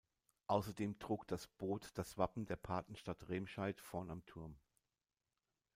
Außerdem trug das Boot das Wappen der Patenstadt Remscheid vorn am Turm.